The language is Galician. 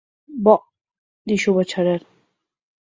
Boh! –dixo o bacharel–.